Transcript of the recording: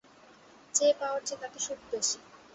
চেয়ে পাওয়ার চেয়ে তাতে সুখ বেশি।